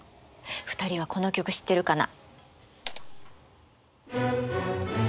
２人はこの曲知ってるかな？